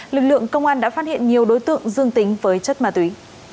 lực lượng công an đã phát hiện nhiều đối tượng dương tính với chất ma túy